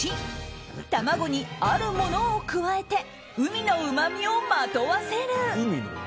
卵にあるものを加えて海のうまみをまとわせる。